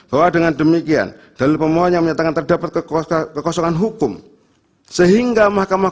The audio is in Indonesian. bahwa dengan demikian dalil pemohon yang menyatakan terdapat kekosongan hukum sehingga mahkamah